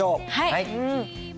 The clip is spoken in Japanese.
はい。